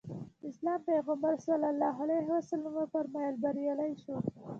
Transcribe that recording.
د اسلام پیغمبر ص وفرمایل بریالی شو.